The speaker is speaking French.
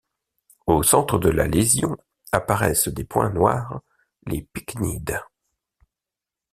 Au centre de la lésion, apparaissent des points noirs, les pycnides.